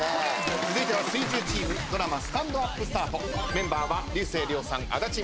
続いては水１０チームドラマ『スタンドＵＰスタート』メンバーは竜星涼さん安達祐実さん